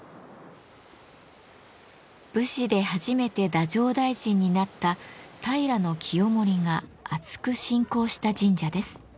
武士で初めて太政大臣になった平清盛があつく信仰した神社です。